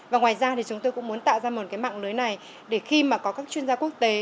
và ngoài ra thì chúng tôi cũng muốn tạo ra một cái mạng lưới này để khi mà có các chuyên gia quốc tế